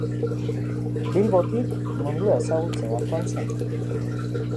Bilbotik mundua ezagutzera joan zen.